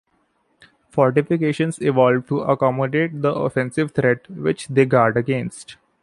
Fortifications evolved to accommodate the offensive threat which they guard against.